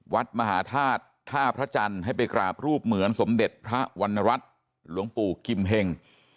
วัดมหาธาตุท่าพระจันทร์ให้ไปกราบรูปเหมือนสมเด็จพระวรรณรัฐหลวงปู่กิมเฮง